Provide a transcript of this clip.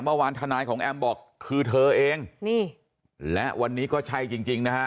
เมื่อวานทนายของแอมบอกคือเธอเองนี่และวันนี้ก็ใช่จริงจริงนะฮะ